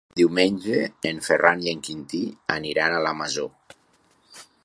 Diumenge en Ferran i en Quintí aniran a la Masó.